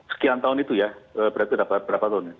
sekian tahun itu ya berarti berapa tahun